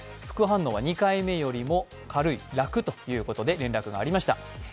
副反応は２回目よりも軽い、楽ということで連絡がありました。